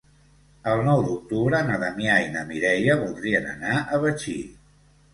El nou d'octubre na Damià i na Mireia voldrien anar a Betxí.